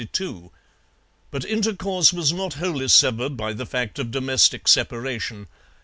But intercourse was not wholly severed by the fact of domestic separation.